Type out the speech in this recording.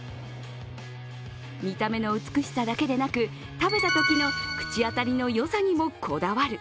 見た目の美しさだけでなく、食べたときの口当たりの良さにもこだわる。